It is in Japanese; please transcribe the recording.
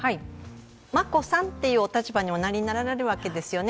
「眞子さん」というお立場になられるわけですよね。